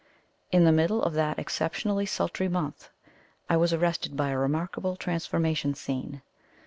In the middle of that exceptionally sultry month, I was arrested by a remarkable transformation scene.